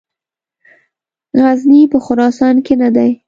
غزني په خراسان کې نه دی.